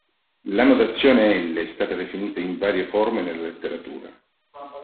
La notazione L è stata definita in varie forme nella letteratura.